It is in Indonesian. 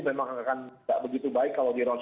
memang akan tidak begitu baik kalau di rp sembilan puluh